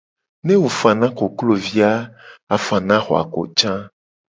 Ne wo fana koklovi a wo la fana ahwako ca.